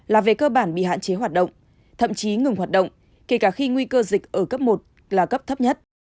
là về cơ bản bị hạn chế hoạt động thậm chí ngừng hoạt động kể cả khi nguy cơ dịch ở cấp một là cấp thấp nhất